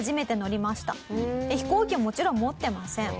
飛行機ももちろん持ってません。